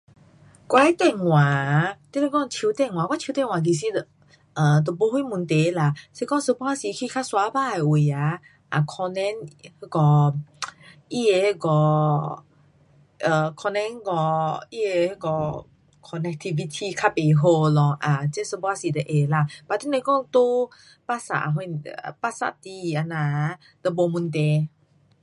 我的电话啊，你若说手电话我手电话其实就 um 都没啥问题啦。是说有半时去较山芭的位呀 um 可能那个 um 它的那个 um 可能那个它的那个 connectivity 较不好咯。啊，这一半时就会啦。but 你若说在 pasar 什 pasar 里这样啊就没问题。